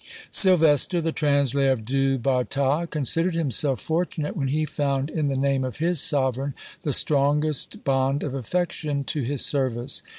Sylvester, the translator of Du Bartas, considered himself fortunate when he found in the name of his sovereign the strongest bond of affection to his service.